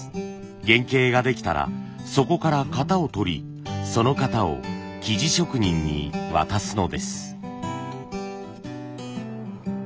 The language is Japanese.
原型ができたらそこから型を取りその型を素地職人に渡すのです。